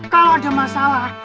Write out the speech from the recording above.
kalau ada masalah